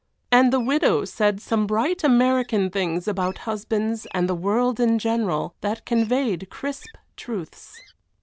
And the widow said some bright American things about husbands and the world in general that conveyed crisp truths.